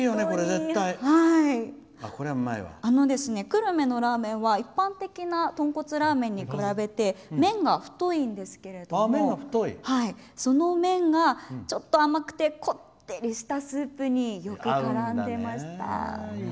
久留米のラーメンは一般的なとんこつラーメンに比べて麺が太いんですけれどもその麺がちょっと甘くてこってりしたスープによくからんでました。